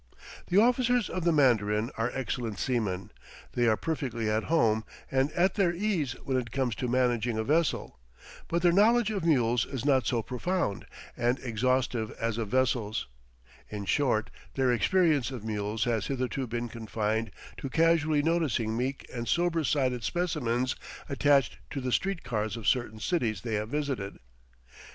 The officers of the Mandarin are excellent seamen; they are perfectly at home and at their ease when it comes to managing a vessel, but their knowledge of mules is not so profound and exhaustive as of vessels; in short, their experience of mules has hitherto been confined to casually noticing meek and sober sided specimens attached to the street cars of certain cities they have visited.